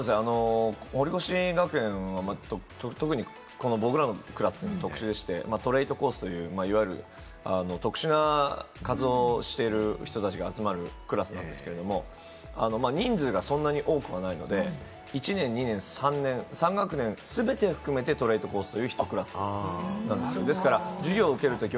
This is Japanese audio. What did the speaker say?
堀越学園は特に僕らのクラスは特殊でして、トレードコースという、いわゆる特殊な活動をしている人たちが集まるクラスなんですけれど、人数がそんなに多くはないので、１年、２年、３学年全て含めてトレードコースという１コースなんです。